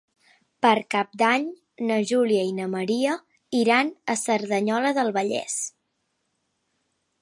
Per Cap d'Any na Júlia i na Maria iran a Cerdanyola del Vallès.